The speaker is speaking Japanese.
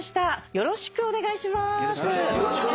よろしくお願いします。